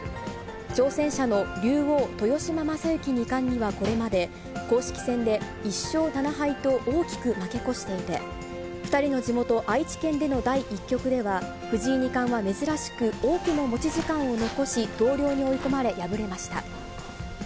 挑戦者の竜王、豊島将之二冠にはこれまで公式戦で１勝７敗と大きく負け越していて、２人の地元、愛知県での第１局では、藤井二冠は珍しく、多くの持ち時間を残し、投了に追い込まれ、敗れました。